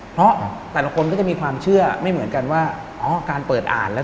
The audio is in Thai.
เพราะแต่ละคนก็จะมีความเชื่อไม่เหมือนกันว่าอ๋อการเปิดอ่านแล้ว